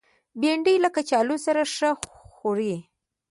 بېنډۍ له کچالو سره ښه خوري